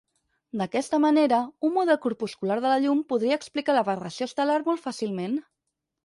D'aquesta manera, un model corpuscular de la llum podria explicar l'aberració estel·lar molt fàcilment.